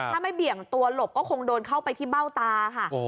ถ้าไม่เบี่ยงตัวหลบก็คงโดนเข้าไปที่เบ้าตาค่ะ